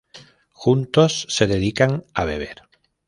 Juntos se dedican a beber.